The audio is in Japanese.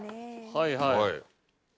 はいはい。